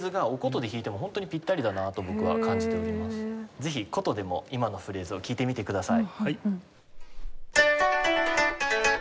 ぜひ箏でも今のフレーズを聴いてみてください。